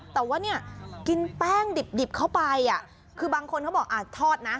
แต่ว่าเนี่ยกินแป้งดิบเข้าไปคือบางคนเขาบอกทอดนะ